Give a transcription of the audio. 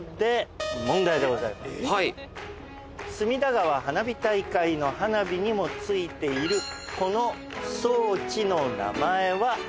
隅田川花火大会の花火にもついているこの装置の名前は何でしょう？